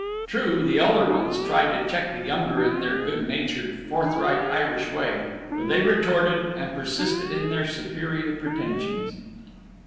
True, the elder ones tried to check the younger in their good natured, forthright Irish way; but they retorted, and persisted in their superior pretensions.